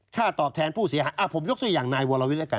ตอบแทนผู้เสียหายผมยกตัวอย่างนายวรวิทย์แล้วกัน